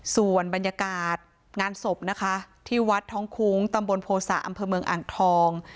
ส่วนบรรยากาศงานศพนะคะที่วัดท้องคุ้งตำบลโภษะอำเภอเมืองอ่างทอง